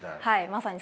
まさに。